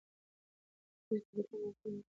ورزش د زړه د ناروغیو مخنیوی کوي.